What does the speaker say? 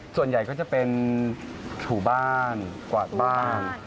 ส่วนใหญ่ก็จะเป็นถูบ้านกวาดบ้าน